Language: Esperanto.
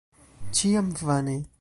Ĉiam vane.